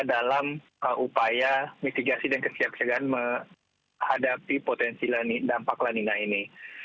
dalam upaya mitigasi dan kesiapsiagaan menghadapi potensi dampak lanina ini